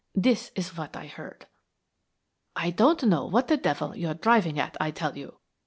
This is what I heard: "'I don't know what the devil you're driving at, I tell you.'